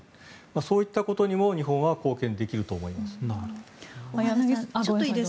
そういったことにも日本は貢献できると思います。